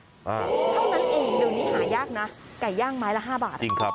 เท่านั้นเองเดี๋ยวนี้หายากนะไก่ย่างไม้ละห้าบาท